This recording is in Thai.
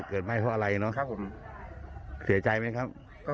ไหม้เพราะอะไรเนาะครับผมเสียใจไหมครับ